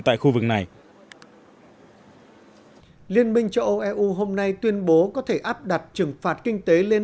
tại khu vực này liên minh châu âu eu hôm nay tuyên bố có thể áp đặt trừng phạt kinh tế lên